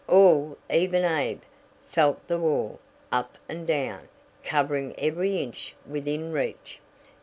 All, even old Abe, felt the wall, up and down, covering every inch within reach.